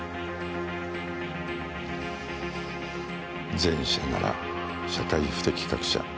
前者なら社会不適格者。